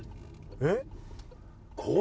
えっ？